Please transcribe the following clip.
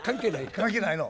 関係ないの？